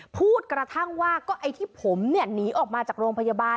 พูดกระทั่งว่าก็ไอ้ที่ผมหนีออกมาจากโรงพยาบาล